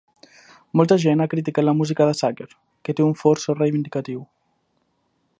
Molta gent han criticat la música de Zucker, que té un fort so reivindicatiu.